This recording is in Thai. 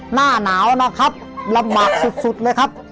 หน้าหนาวนะครับลำบากสุดเลยครับ